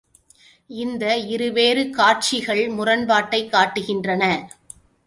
இந்த இருவேறு காட்சிகள் முரண்பாட்டைக் காட்டுகின்றன.